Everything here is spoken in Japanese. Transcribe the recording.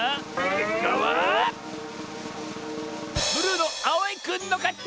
けっかはブルーのあおいくんのかち！